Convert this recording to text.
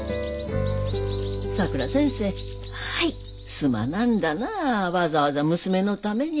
すまなんだなあわざわざ娘のために。